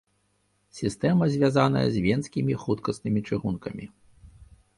Сістэма звязаная з венскімі хуткаснымі чыгункамі.